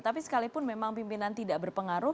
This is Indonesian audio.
tapi sekalipun memang pimpinan tidak berpengaruh